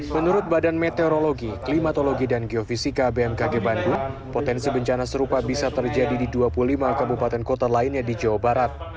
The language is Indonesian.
menurut badan meteorologi klimatologi dan geofisika bmkg bandung potensi bencana serupa bisa terjadi di dua puluh lima kabupaten kota lainnya di jawa barat